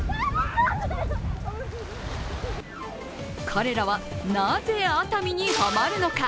彼らは、なぜ熱海にはまるのか？